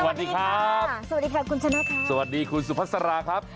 สวัสดีครับสวัสดีค่ะคุณชนะค่ะสวัสดีคุณสุภาษาราครับ